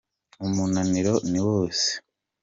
umunaniro niwose.